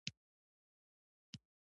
دا دوه ډېرې مهمې تجربې دي.